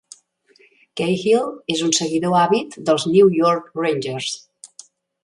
Cahill és un seguidor àvid dels New York Rangers.